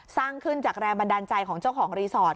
สร้างขึ้นจากแรงบันดาลใจของเจ้าของรีสอร์ท